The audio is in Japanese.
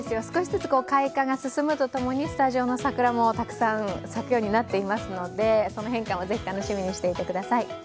少しずつ開花が進むとともにスタジオの桜もたくさん咲くようになっているのでその変化を是非楽しみにしていてください。